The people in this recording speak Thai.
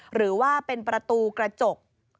หรือว่าเป็นประตูกระจก